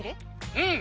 うん！